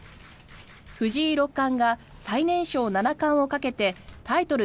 藤井六冠が最年少七冠をかけてタイトル